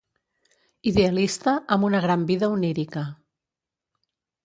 Idealista amb una gran vida onírica.